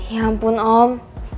ya ampun om